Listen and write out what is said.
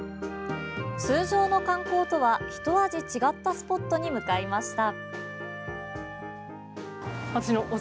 通常の観光とは、ひと味違ったスポットに向かいました。